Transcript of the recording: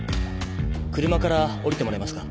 車から降りてもらえますか？